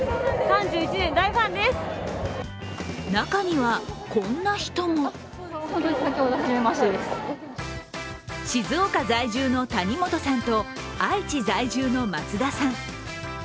中にはこんな人も静岡在住の谷本さんと愛知在住の松田さん。